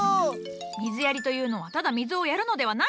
水やりというのはただ水をやるのではない。